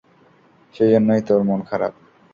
সেজন্যই তোর মন খারাপ।